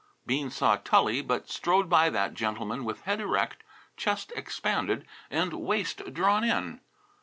Bean saw Tully, but strode by that gentleman with head erect, chest expanded, and waist drawn in.